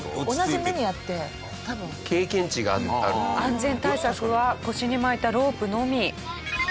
安全対策は腰に巻いたロープのみ。